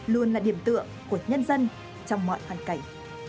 luôn là điểm tựa của nhân dân trong mọi hoàn cảnh